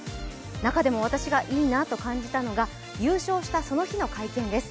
中でも私がいいなと感じたのが優勝したその日の会見です。